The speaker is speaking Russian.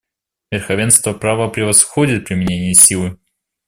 Верховенство права превосходит применение силы.